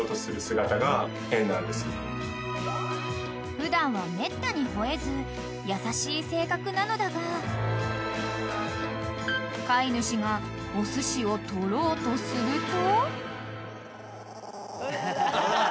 ［普段はめったに吠えず優しい性格なのだが飼い主がおすしを取ろうとすると］